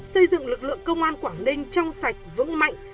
xây dựng lực lượng công an quảng ninh trong sạch vững mạnh